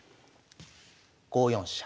５四飛車。